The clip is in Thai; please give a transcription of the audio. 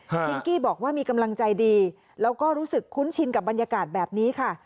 พิงกี้บอกว่ามีกำลังใจดีแล้วก็รู้สึกคุ้นชินกับบรรยากาศแบบนี้ค่ะ